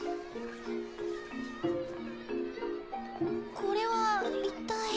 これは一体。